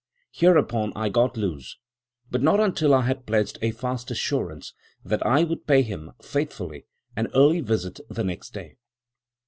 Hereupon I got loose, but not until I had pledged a fast assurance that I would pay him, faithfully, an early visit the next day."